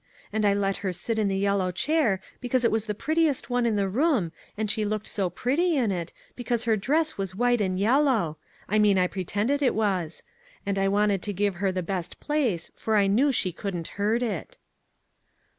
And I let her sit in the yellow chair because it was the prettiest one in the room, and she looked so pretty in it, because her dress was white and yellow ; I mean I pretended it was; and I wanted to give her the best place, for I knew she couldn't hurt it."